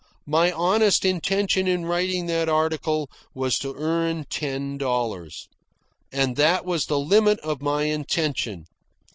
My honest intention in writing that article was to earn ten dollars. And that was the limit of my intention.